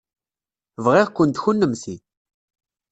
Bɣiɣ-kent kennemti.